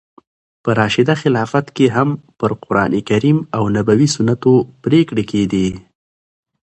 په راشده خلافت کښي هم پر قرانکریم او نبوي سنتو پرېکړي کېدې.